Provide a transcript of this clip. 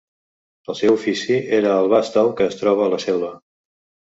El seu ofici era el vast ou que es troba a la selva.